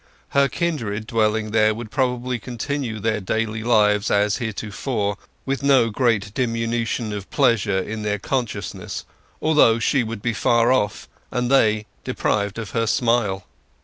Her kindred dwelling there would probably continue their daily lives as heretofore, with no great diminution of pleasure in their consciousness, although she would be far off, and they deprived of her smile.